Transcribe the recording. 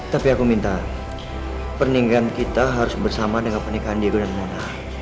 tapi aku minta pernikahan kita harus bersama dengan pernikahan diego dan mona